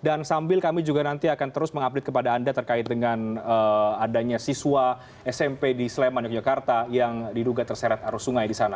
dan sambil kami juga nanti akan terus mengupdate kepada anda terkait dengan adanya siswa smp di sleman yogyakarta yang diduga terseret arus sungai di sana